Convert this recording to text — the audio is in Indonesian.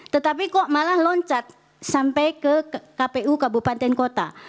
tetapi kok malah loncat sampai ke kpu kabupaten kota